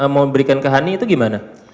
mau diberikan ke hany itu gimana